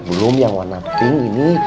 belum yang warna pink ini